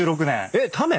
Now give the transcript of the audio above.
えっタメ？